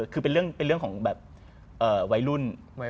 จะเป็นเรื่องของไว้รุ่น